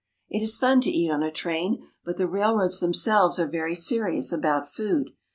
It is fun to eat on a train, but the railroads themselves are very serious about food.